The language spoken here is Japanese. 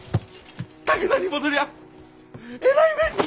武田に戻りゃあえらい目に！